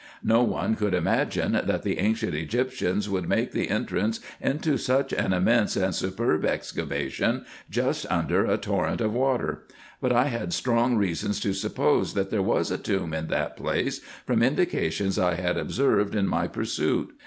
No one could imagine, that the ancient Egyptians would make the entrance into such an immense and superb excavation just under a torrent of water; but I had strong reasons to suppose, that there was a tomb in that place, from indications I had observed in my pursuit.